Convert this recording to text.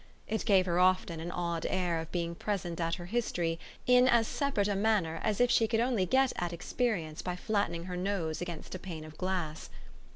It gave her often an odd air of being present at her history in as separate a manner as if she could only get at experience by flattening her nose against a pane of glass.